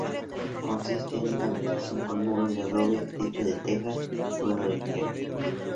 Consiste en una habitación con muros de adobe, techo de tejas, suelo de tierra.